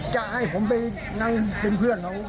จะให้ผมไปนั่งเป็นเพื่อนเขา